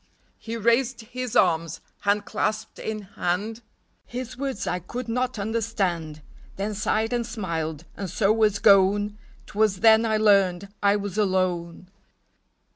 He raised his arms, hand clasped in hand ; 22 THE DRYAD. His words I could not understand ;— Then sighed and smiled, and so was gone. 'T was then I learned I was alone